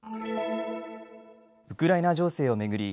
ウクライナ情勢を巡り